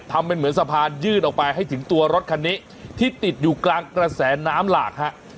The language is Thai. ทำเป็นเหมือนสะพานยื่นออกไปให้ถึงตัวรถคันนี้ที่ติดอยู่กลางกระแสน้ำหลากฮะ